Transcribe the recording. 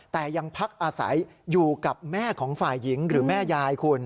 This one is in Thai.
แต่ยังพักอาศัยอยู่กับแม่ของฝ่ายหญิงหรือแม่ยายคุณ